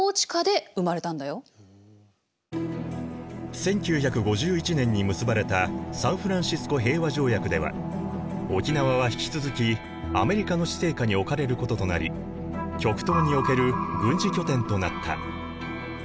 １９５１年に結ばれたサンフランシスコ平和条約では沖縄は引き続きアメリカの施政下に置かれることとなり極東における軍事拠点となった。